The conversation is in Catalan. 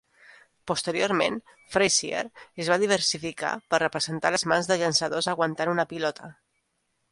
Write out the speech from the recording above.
Posteriorment Frazier es va diversificar per representar les mans de llançadors aguantant una pilota.